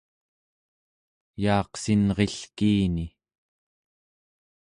yaaqsinrilkiini